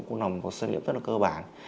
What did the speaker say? cũng nằm vào sân nghiệm rất là cơ bản